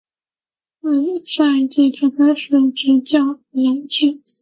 次赛季他开始执教莱切。